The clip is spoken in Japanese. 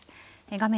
画面